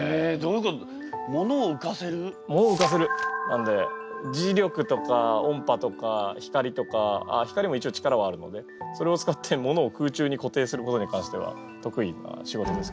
なんで磁力とか音波とか光とかあっ光も一応力はあるのでそれを使って物を空中に固定することに関しては得意な仕事です。